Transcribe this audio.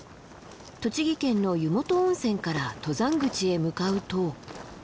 栃木県の湯本温泉から登山口へ向かうと。